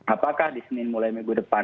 apakah di senin mulai minggu depan